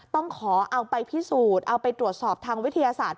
ต้องขอเอาไปพิสูจน์เอาไปตรวจสอบทางวิทยาศาสตร์